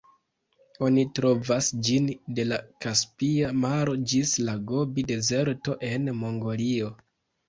Oni trovas ĝin de la Kaspia maro ĝis la Gobi-dezerto en Mongolio.